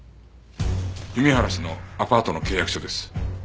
弓原氏のアパートの契約書です。